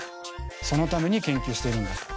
そのために研究してるんだと。